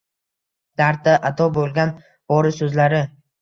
Dardda ado bo‘lgan bori so‘zlari